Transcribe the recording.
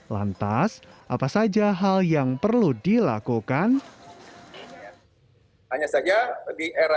lantas apa saja hal yang perlu dilakukan